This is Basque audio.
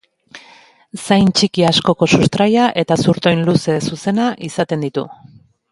Zain txiki askotako sustraia eta zurtoin luze zuzena izaten ditu.